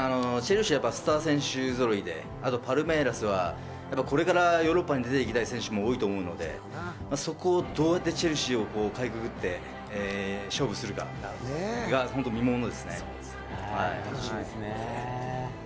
チェルシーはスター選手ぞろいで、パルメイラスはこれからヨーロッパに出ていきたい選手もいると思うので、どうやってチェルシーをかいくぐって勝負するか、見ものですね。